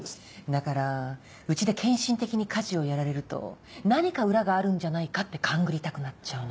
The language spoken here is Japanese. だからうちで献身的に家事をやられると何か裏があるんじゃないかって勘繰りたくなっちゃうのよ。